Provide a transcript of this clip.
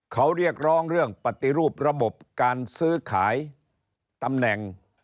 เขาเรียกร้องเรื่องปฏิรูประบบการซื้อขายตำแหน่ง